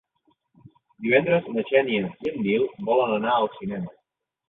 Divendres na Xènia i en Nil volen anar al cinema.